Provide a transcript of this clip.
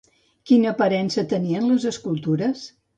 Quina aparença tenien les escultures?